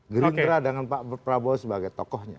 gerindra dengan pak prabowo sebagai tokohnya